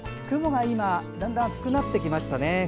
雲が今だんだん厚くなってきましたね。